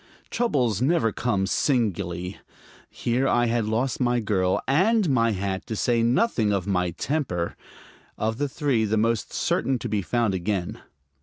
Troubles never come singly. Here I had lost my girl and my hat, to say nothing of my temper of the three the most certain to be found again.